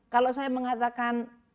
kalau saya mengatakan